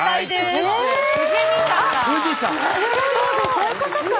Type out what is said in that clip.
そういうことか。